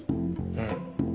うん。